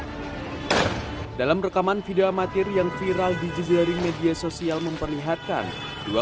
hai dalam rekaman video amatir yang viral di juzularing media sosial memperlihatkan dua